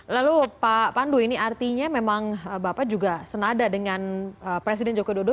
lalu pak pandu ini artinya memang bapak juga senada dengan presiden joko dodo